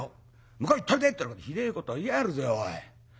向こう行っといで』ってひでえこと言いやがるぜおい。